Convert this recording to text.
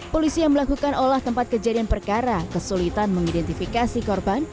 polisi yang melakukan olah tempat kejadian perkara kesulitan mengidentifikasi korban